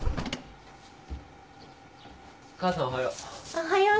母さんおはよう。